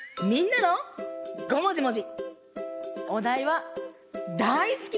みんなもごもじもじ。